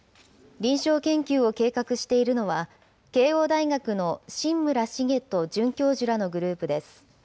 臨床研究を計画しているのは、慶応大学の榛村重人准教授らのグループです。